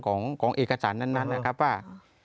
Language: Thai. ของเอกสารนั้นนะครับว่า